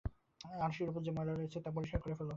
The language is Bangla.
আরশির উপর যে ময়লা রয়েছে, তা পরিষ্কার করে ফেল।